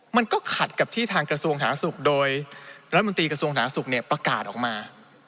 มันก็ขัดกับที่ทางกระทรวงศาสตร์ศุกร์โดยรัฐบันตรีกระทรวงศาสตร์ศุกร์เนี่ยประกาศออกมา